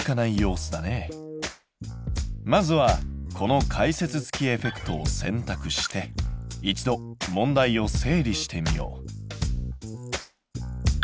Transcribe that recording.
まずはこの解説付きエフェクトを選択して一度問題を整理してみよう。